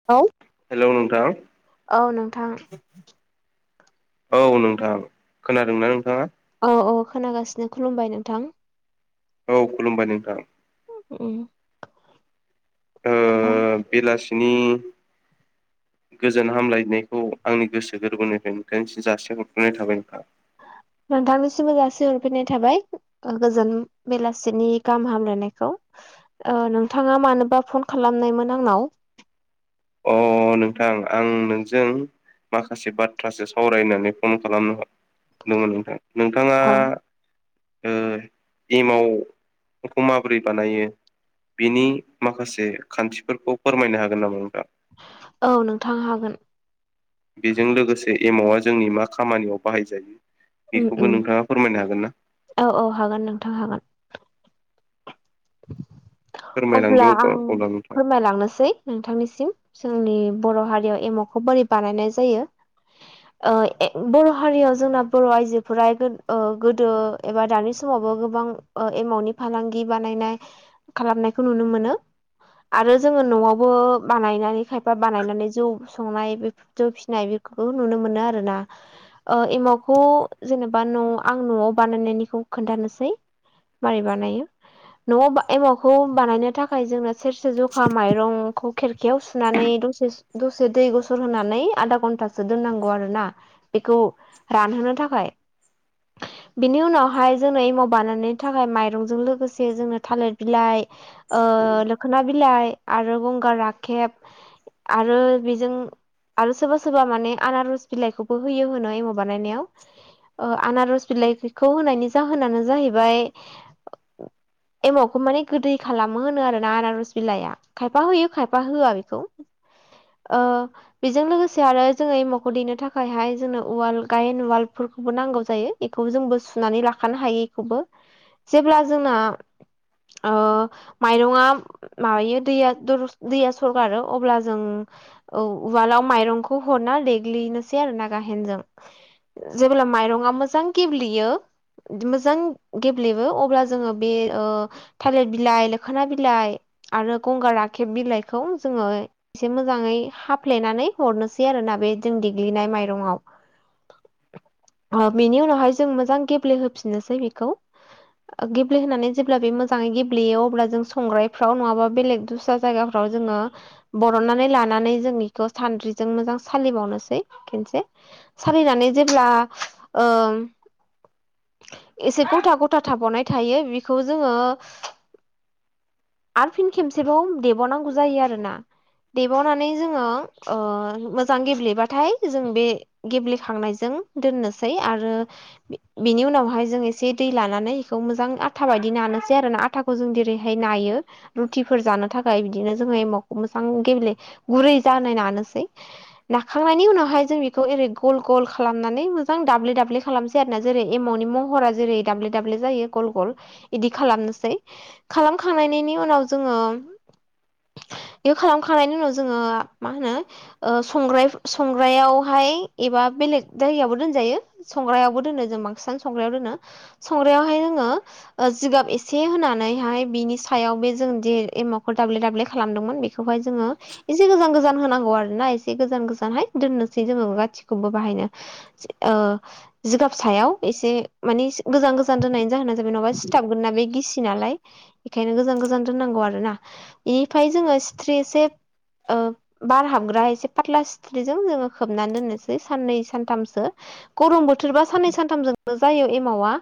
[unintelligible] हेल' नोंथां। औ नोंथां औ नोंथां खोनादोंना नोंथाङा? औ औ खोनागासिनो खुलुमबाय नोंथां। औ खुलुमबाय नोंथां। उम ओ औ बेलासिनि गोजोन हामलायनायखौ आंनि गोसो गोरबोनिफ्राय नोंथांनिसिम जासि हरग्रनाय थाबाय नोंथा। नोंथांनिसिम बो जासि हरफैननाय थाबाय। गोजोन बेलासिनि गाहाम हामलायनायखौ। नोंथाङा मानोबा फन खालामनायमोन आंनाव? अ नोंथां आं नोंजों माखासे बाथ्रासो सावरायनानै फन खालामनो हरदोंमोन नोंथां नोंथाङा औ ओ एमावखौ माबोरै बानायो? बिनि माखासे खान्थिफोरखौ फोरमायनो हागोन नामा नोंथां? औ नोंथां हागोन बेजों लोगोसे एमावआ जोंनि मा खामानियाव बाहायजायो उम उम बेखौबो नोंथाङा फोरमायनो हागोन ना? औ औ हागोन नोंथां हागोन। अब्ला फोरमायलांदो आं अब्ला नोंथां। फोरमायलांनोसै। नोंथांनिसिम जोंनि बर' हारियाव एम'खौ बोरै बानायनाय जायो। ओ ए बर' हारियाव जोंना बर' आइजोफोरा ओ गोदो एबा दानि समावबो गोबां एमावनि फालांगि बानायनाय खालामनायखौ नुनो मोनो। आरो जोङो न'आवबो बानायनानै खायफा बानायनानै जौ संनाय बे जों' फिसिनाय बेफोरखौ नुनो मोनो आरोना। ओ एमावखौ जेनेबा न' आं न'आव बानायनायनिखौ खोन्थानोसै। मारै बानायो? न'आव एमावखौ बानायनो थाखाय जोंना सेरसे जखा माइरंखौ खेरखायाव सुनानै दसे दसे दै गुसु होनानै आधा घन्टासो दोननांगौ आरो ना। बेखौ रानहोनो थाखाय बिनि उनावहाय जोंङनो एमाव बानायनो थाखाय माइरंजों लोगोसे जोङो थालिर बिलाइ ओ माखोना बिलाइ आरो गंगार राखेब आरो बेजों आरो सोरबा सोरबा माने आनारस बिलाइखौबो होयो होनो एम' बानायनायाव। ओ आनारस बिलाइखौ होनायनि जाहोनानो जाहैबाय एमावखौ माने गोदै खालामो होनो आरोना आनारस बिलाया। खायफा होयो खायफा होआ बेखौ। ओ बेजों लोगोसे आरो जोङो एमावखौ दैेनो थाखायहाय जोंनो उवाल गायेन उवालफोरखौबो नांगौ जायो। बेखौ जोंबो सुनानै लाखानो हायो। बेखौबो जेब्ला जोंना ओ माइरंङा मा दैया दैया सरगारो अब्ला जों औ उवालाव माइरंखौ हरना देग्लिनोसै आरो ना गाहेनजों। जेब्ला माइरङा मोजां गेब्लेयो मोजां गेब्लेबो अब्ला जोङो बे थालिर बिलाइ माखोना बिलाइ आरो गंगार राखेब बिलाइखौ जोङो एसे मोजाङै हाफ्लेनानै हरनोसै आरोना बे जों देग्लिनाय माइरंआव। बेनि उनावहाय जों मोजां गेब्लेहोफिननोसै बेखौ। गेब्लेहानै जेब्ला बे मोजां मोजाङै गेब्लेयो अब्ला जों संग्रायफ्राव नङाबा बेलेग दस्रा जायगाफ्राव जोङो बरननानै लानानै जों बेखौ सान्द्रिजों मोजां सालिबावनोसै खेनसे। सालिनानै जेब्ला ओ एसे गथा गथा थाबावनाय थायो बेखौ जोङो आरो फिन खेबसेबाव देबाव'नांगौ जायो आरोना। देबावनानै जोङो मोजां गेब्लेबाथाय जों बे गेब्लेखांनायजों दोननोसै आरो बे बिनि उनावहाय जों एसे दै लानानै इखौ मोजां आथा बायदि नानो जे आरो ना आटाखौ जों जेरैहाय नायो। रुटिफोर जानो थाखाय बिदिनो जोङो एमावखौ मोजां गेब्ले गुरै जानाय नानोसै। नाखांनायनि उनावहाय जों बेखौ ओरै गल गल खालामनानै मोजां दाब्लि दाब्लि खालामसै आरोना। जेरै एमावनि महरा जेरै दाब्ले दाब्ले जायो गल गल इदि खालामनोसै। खालामखांनायनिनि उनाव जोङो बेखौ खालामखांनायनि उनाव जोङो मा होनो। ओ संग्राय संग्रायावहाय एबा बेलेग जायगायावबो दोनजायो। संग्रायावबो दोनो जों बांसिनानो संग्रायाव दोनो संग्रायावहाय जोङो। जिगाब एसे होनानैहाय बिनि सायाव बे जों जे एमावखौ दाब्लि दाब्लि खालामदोंमोन बेखौहाय जोङो। एसे गोजान गोजान होनांगौ आरो ना एसे गोजान गोजानहाय दोननोसै जोङो गासिखौबो बाहायनो। जि ओ जिगाब सायाव एसे मानि गोजान गोजान दोननायनि जाहोना जाबाय नङाबा सिथाबगोन ना बे गिसि नालाय। बेखायनो गोजान गोजान दोननांगौ आरो ना। बेनिफ्राय जोङो सिथ्रि एसे ओ बार हाबग्रा एसे फत्ला सिथ्रिजों जोङो खोबनानै दोननोसै साननै सानथामसो। गरम बोथोरबा साननै सानथामजोंनो जायो एमावा।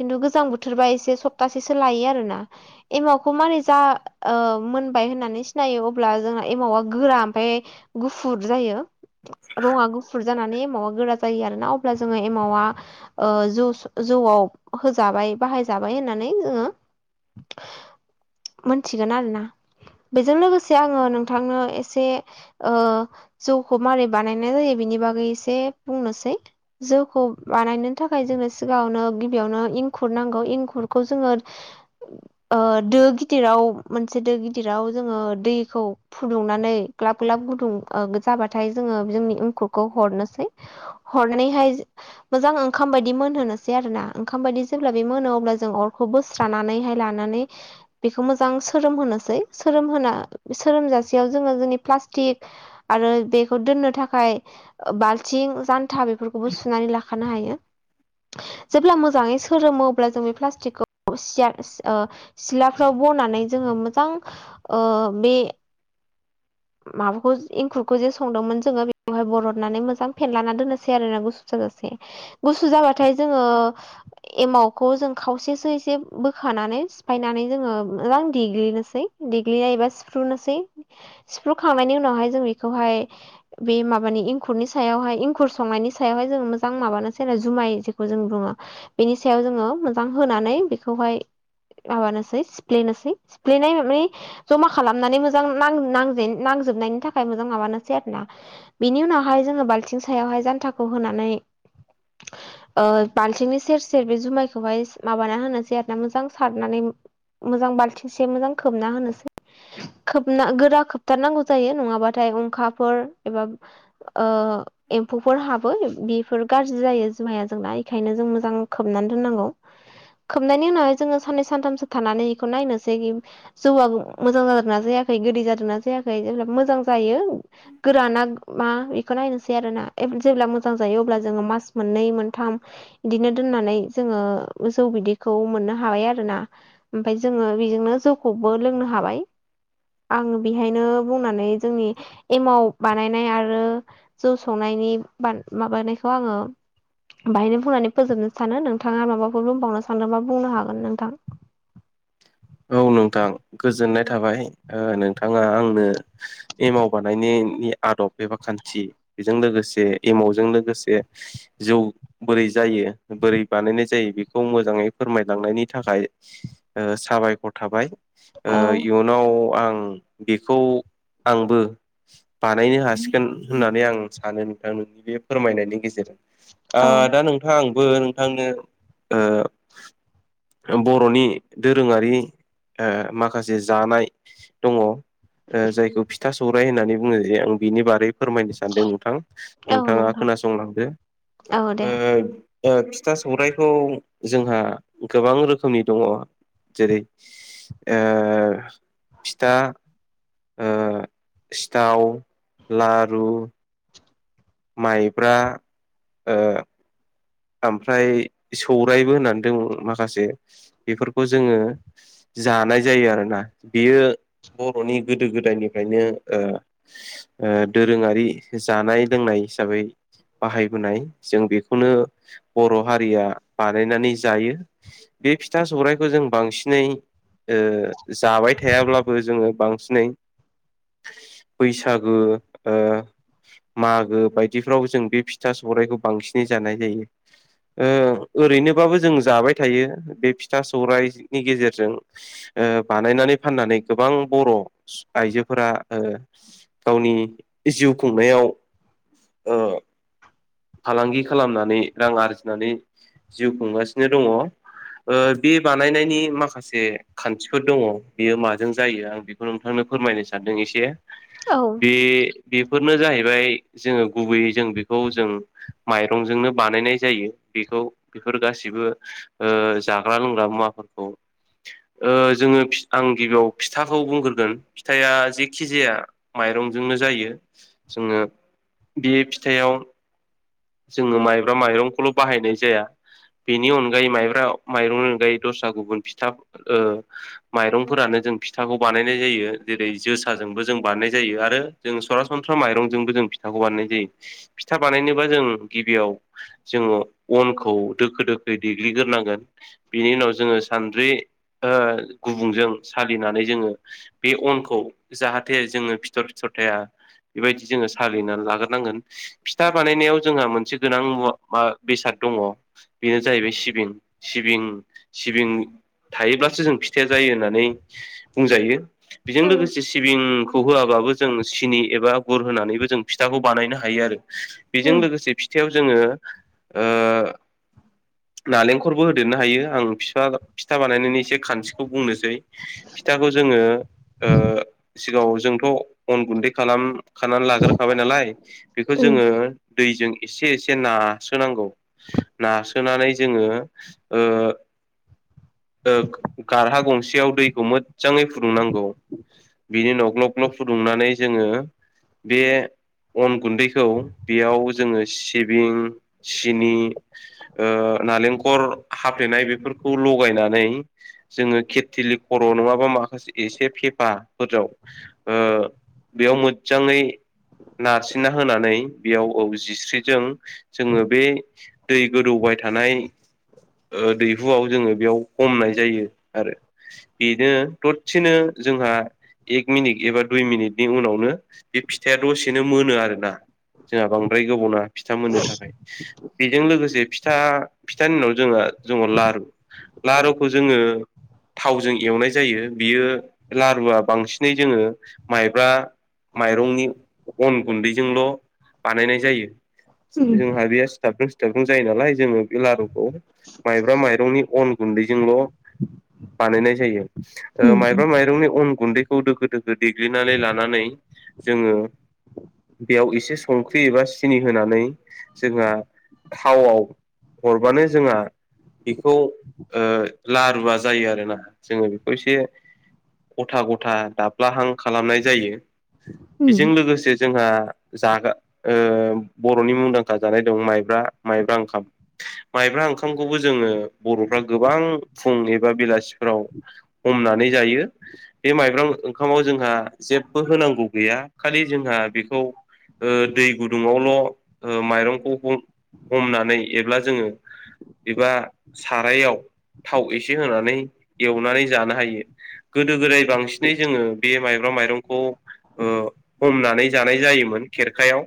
खिन्थु गोजां बोथोर सोरबा एसे सप्तासेसो लायो आरो ना। एमावखौ मारै जा ओ मोनबाय होननानै सिनायो अब्ला जोंना एमावा गोरा ओमफाय गुफुर जायो रङा गुफुर जानानै एमावा गोरा जायो आरोना। अब्ला जोङो एमावा ओ जु जौआव होजाबाय। बाहायजाबाय होननानै जोङो मोनथिगोन आरो ना। बेजों लोगोसे आङो नोंथांनो एसे ओ जौखौ मारै बानायनाय जायो बिनि बागै एसे बुंनोसै। जौखौ बानायनो थाखाय जोङो सिगाङावनो गिबियावनो इंखु खुर नांगौ एंखुरखौ जोङो ओ दो गिदिराव मोनसे दो गिदिराव जोङो दैखौ फुदुंनानै ग्लाब ग्लाब गुदुं ओ जाबाथाय जोङो जोंनि एंखुरखौ हरनोसै। हरनैहाय जो मोजां ओंखाम बादि मोनहोनोसै आरोना। ओंखाम बादि जेब्ला बे मोनो अब्ला जों अरखौ बोस्रानानैहाय लानानै। बेखौ मोजां सोरोम होनोसै सोरोम होना सोरोमजासेयाव जोङो जोंनि प्लास्टिक आरो बेखौ दोननो थाखाय ओ बाल्थिं जान्था बेफोरखौबो सुनानै लाखानो हायो। जेब्ला मोजाङै सो फोरोमो अब्ला जों बे प्लास्टिकखौ सिया सिलाफ्राव बनानै जोङो मोजां ओ बे [inaudible] माबाखौ इंखुरखौ जे संदोंमोन जोङो बेवहाय बरननानै मोजां फेनलाना दोननोसै आरो ना गुसु जाजासे गुसु जाबाथाय जोङो एमावखौ जों खावसेसो एसे बोखानानै सिफायनानै जोङो आराम देग्लिनोसै देग्लिनायबा सिफ्रुनोसै सिफ्रुखांनायनि उनावहाय जों बेखौहाय बे माबानि इंखुरनि सायावहाय इंखुर संनायनि सायावहाय जोङो मोजां माबानोसै जुमाय जायखौ जों बुङो बेनि सायाव जोङो मोजां होनानै बेखौहाय माबानोसै सिफ्लेनासै सिफ्लेनाय माने जमा खालामनानै मोजां नां-नांजे- नांजोबनायनि थाखाय मोजां माबानोसै आरोना बिनि उनावहाय जोङो बाल्थिं सायावहाय जान्थाखौ होनानै ओ बालथिंनि सेर सेर बे जुमायखौहाय माबाना होनोसै आरोना मोजां सारनानै मोजां बालथिंसे मोजां खोबना होनोसै खोबना गोरा खोबथारनांगौ जायो नङाबाथाय अंखाफोर एबा ओ एम्फौफोर हाबो बेफोर गाज्रि जायो जुमाया जोंना इखायनो जों मोजां खोबनानै दोननांगौ खोबनायनि उनावहाय जोङो साननै सानथामसो थानानै इखौ नायनोसै जौआ मोजां जादोंना जायाखै गोदै जादोंना जायाखै जेब्ला मोजां जायो गोराना मा बेखौ नायनोसै आरोना जेब्ला मोजां जायो अब्ला जोङो मास मोननै मोनथाम बिदिनो दोननानै जोङो जौ बिदैखौ मोननो हाबाय आरोना ओमफाय जोङो बेजोंनो जौखौबो लोंनो हाबाय आङो बेहायनो बुंनानै जोंनि एमाव बानायनाय आरो जौ संनायनि माबानायखौ आङो बाहायनो बुंनानै फोजोबनो सानो नोंथाङा माबाफोर बुंबावनो सानदोंबा बुंनो हागोन नोंथां औ नोंथां गोजोननाय थाबाय नोंथाङा आंनो एमाव बानायनायनि आदब एबा खान्थि बेजों लोगोसे एमावजों लोगोसे जौ बोरै जायो बोरै बानायनाय जायो बेखौ मोजाङै फोरमायलांनायनि थाखाय साबायखर थाबाय औ इयुन नाव आं बेखौ आंबो बानायनो हासिगोन होननानै आं सानो नोंथांनि बे फोरमायनायनि गेजेरजों औ दा नों थां आंबो नोंथांनो ओ बर'नि दोरोङारि ओ माखासे जानाय दङ जायखौ फिथा सौराय होननानै बुङो जे आं बिनि बारै फोरमायनो सानदों नोंथां औ नोंथाङा नोंथां खोनासंलांदो औ दे फिथा सौराइखौ जोंहा गोबां रोखोमनि दङ जेरै ओ फिथा सिथाव लारु माइब्रा ओ ओमफ्राय सौरायबो होननानै दं माखासे बेफोरखौ जोङो जानाय जायो आरोना बियो बर'नि गोदो गोदायनिफ्रायनो दोरोङारि जानाय लोंनाय हिसाबै बाहायबोनाय जों बेखौनो बर' हारिया बानायनानै जायो बे फिथा सौराइखौ जों बांसिनै ओ जाबाय थायाब्लाबो जोङो बांसिनै बैसागु ओ मागो बायदिफ्राव जों बे फिथा सौराइखौ बांसिनै जानाय जायो ओरैनोबाबो जों जाबाय थायो बे फिथा सौरायाइनि गेजेरजों बानायनानै फाननानै गोबां बर' आइजोफोरा गावनि जिउ खुंनायाव फालांगि खालामनानै रां आरजिनानै जिउ खुंगासिनो दङ ओ बे बानायनायनि माखासे खान्थिफोर दङ बियो माजों जायो आं बेखौ नोंथांनो फोरमायनो सानदों एसे बे बेफोरनो जाहैबाय जोङो गुबैयै जों बेखौ जों माइरंजोंनो बानायनाय जायो बेखौ बेफोर गासिबो जाग्रा लोंग्रा मुवाफोरखौ जोङो आं गिबियाव फिथाखौ बुंग्रोगोन फिथाया जेखि जाया माइरंजोंनो जायो जोङो बेयो फिथायाव जोङो माइब्रा माइरंखौल' बाहायनाय जाया बेनि अनगायै माइब्रा माइरंनि अनगायै दस्रा गुबुन फिथा माइरंफोरानो जों फिथाखौ बानायनाय जायो जेरै जोसाजोंबो जों बानायनाय जायो आरो जों सरासनस्रा माइरंजोंबो जों फिथाखौ बानायनाय जायो फिथा बानायनोबा जों गिबियाव जोङो अनखौ दोखो दोखो देग्लिग्रोनांगोन बिनि उनाव जोङो सानद्रि गुबुंजों सालिनानै जोङो बे अनखौ जाहाथे जोङो फिथर फिथर थाया बेबायदि जोङो सालिनानै लाग्रोनांगोन फिथा बानायनायाव जोंहा मोनसे गोनां मुवा मा बेसाद दङ' बेनो जाहैबाय सिबिं सिबिं सिबिं थायोब्लासो जों फिथाया जायो होननानै बुंजायो बेजों लोगोसे सिबिंखौ होआबाबो जों सिनि एबा गुर होनानैबो जों फिथाखौ बानायनो हायो आरो बेजों लोगोसे फिथायाव जोङो ओ नालेंखरबो होदेरनो हायो आं फिथा फिथा बानायनायनि एसे खान्थिखौ बुंनोसै फिथाखौ जोङो ओ सिगाङाव जोंथ' अन गुन्दै खालाम खानानै लाग्रोखाबाय नालाय बेखौ जोङो दैजों एसे एसे नास्रोनांगौ नासोनानै जोङो ओ ओ गारहा गंसेयाव दैखौ मोजाङै फुदुंनांगौ बिनि उनाव ग्लब ग्लब फुदुंनानै जोङो बे अन गुन्दैखौ बेयाव जोङो सिबिं सिनि ओ नालेंखर हाफ्लेनाय बेफोरखौ लगायनानै जोङो केथिलि खर' नङाबा माखासे एसे फेफाफोराव ओ बेयाव मोजजाङै नारसिनना होनानै बेयाव जिस्रिजों जोङो बे दै गोदौबाय थानाय ओ दैहुआव जोङो बेयाव हमनाय जायो आरो बेनो दसेनो जोंहा एक मिनिट एबा दुइ मिनिटनि उनावनो बे फिथाया दसेनो मोनो आरोना जोंहा बांद्राय गोबाव नाङा फिथा मोननो थाखाय बेजों लोगोसे फिथा फिथानि उनाव जोहा जोङो लारु लारुखौ जोङो थावजों एवनाय जायो बियो लारुआ बांसिनै जोङो माइब्रा माइरंनि अन गुन्दैजोंल' बानायनाय जायो जों हाबियासै सिथाब्रुं सिथाब्रुं जायो नालाय जोङो बे लारुखौ माइब्रा माइरंनि अन गुन्दैजोंल' बानायनाय जायो माइब्रा माइरंनि अन गुन्दैखौ खौ दोखो दोखो देग्लिनानै लानानै जोङो बेयाव एसे संख्रि एबा सिनि होनानै जोंहा थावाव हरबानो जोंहा बेखौ लारुवा जायो आरोना जोङो बेखौ एसे गथा गथा दाब्लाहां खालामनाय जायो। औ बेजों लोगोसे जोंहा जाग्रा ओ बर'नि मुंदांखा जानाय दं माइब्रा माइब्रा ओंखाम माइब्रा ओंखामखौबो जोङो बर'फ्रा गोबां फुं एबा बेलासिफोराव हमनानै जायो। बे माइब्रां ओंखामाव जोंहा जेबो होनांगौ गैया खालि जोंहा बेखौ ओ दै गुदुङावल' माइरंखौ हमनानै एब्ला जोङो एबा सारायाव थाव एसे होनानै एवनानै जानो हायो। गोदो गोदाय बांसिनै जोङो बे माइब्रा माइरंखौ ओ हमनानै जानाय जायोमोन खेरखायाव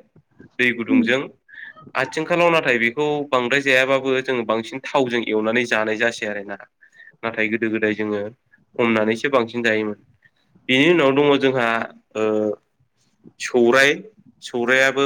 दै गुदुंजों आथिंखालाव नाथाय बेखौ बांद्राय जायाबाबो जोङो बांसिन थावजों एवनानै जानाय जासै आरो ना नाथाय गोदो गोदाय जोङो हमनानैसो बांसिन जायोमोन। बिनि उनाव दङ जोंहा ओ सौराय सौरायाबो